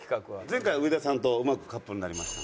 前回植田さんとうまくカップルになりました。